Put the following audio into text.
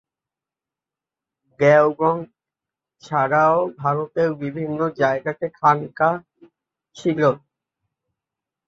দেওবন্দ ছাড়াও ভারতের বিভিন্ন জায়গাতে খানকাহ ছিল।